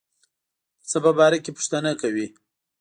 د څه په باره کې پوښتنه کوي.